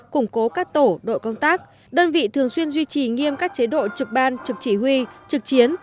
củng cố các tổ đội công tác đơn vị thường xuyên duy trì nghiêm các chế độ trực ban trực chỉ huy trực chiến